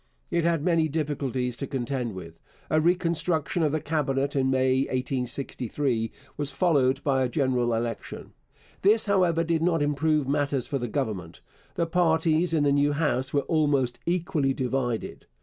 It had many difficulties to contend with. A reconstruction of the Cabinet in May 1863 was followed by a general election. This, however, did not improve matters for the Government. The parties in the new House were almost equally divided.